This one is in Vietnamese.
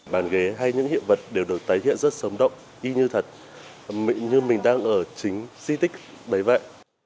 bàn ghế hay những hiện vật đều được tái hiện rất sống động y như thật như mình đang ở chính di tích đấy vậy